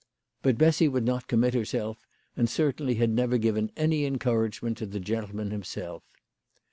But Bessy would not commit herself, and certainly had never given any encourage ment to the gentleman himself.